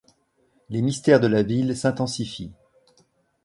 Les mystères de la ville s'intensifient.